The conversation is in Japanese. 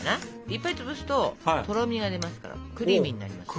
いっぱい潰すととろみが出ますからクリーミーになります。